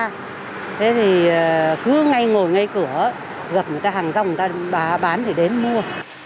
họ cũng không có khả năng đi xa thế thì cứ ngay ngồi ngay cửa gặp người ta hàng rong người ta bán thì đến mua